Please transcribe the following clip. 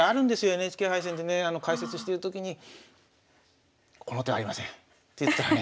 ＮＨＫ杯戦でね解説してるときに「この手はありません」って言ったらね